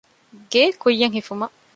ގެއެއް ކުއްޔަށް ހިފުމަށް